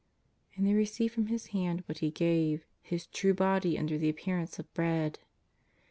And they received from His hand what He gave — His true Body under the appearance of bread.